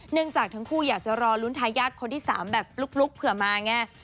จากทั้งคู่อยากจะรอลุ้นทายาทคนที่๓แบบลุกเผื่อมาไง